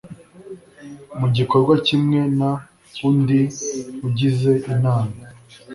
mu gikorwa kimwe n undi ugize inama